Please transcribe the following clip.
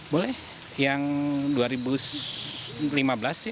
boleh yang dua ribu lima belas ya